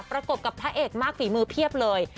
ประกบกับพระเอกมากฝีมือเพียบเลย